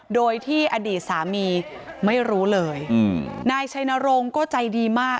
โดยที่อดีตสามีไม่รู้เลยนายชัยนรงค์ก็ใจดีมาก